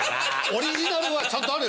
オリジナルはちゃんとあるよ。